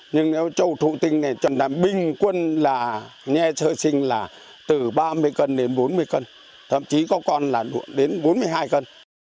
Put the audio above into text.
nhưng nếu trâu thụ tinh này chẳng làm bình quân là nghe sơ sinh là từ ba mươi cân đến bốn mươi cân thậm chí có con là đến bốn mươi hai cân